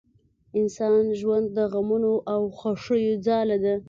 انسان ژوند د غمونو او خوښیو ځاله ده